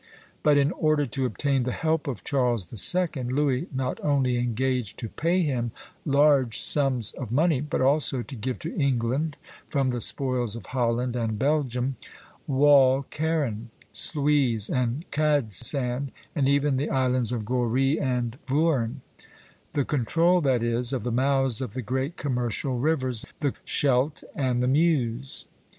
But in order to obtain the help of Charles II., Louis not only engaged to pay him large sums of money, but also to give to England, from the spoils of Holland and Belgium, Walcheren, Sluys, and Cadsand, and even the islands of Goree and Voorn; the control, that is, of the mouths of the great commercial rivers the Scheldt and the Meuse.